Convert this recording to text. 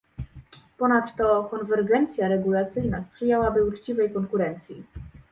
Ponadto konwergencja regulacyjna sprzyjałaby uczciwej konkurencji